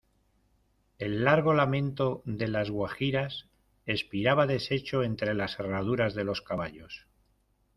el largo lamento de las guajiras expiraba deshecho entre las herraduras de los caballos.